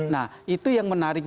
nah itu yang menarik